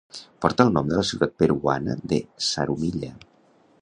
Porta el nom de la ciutat peruana de Zarumilla.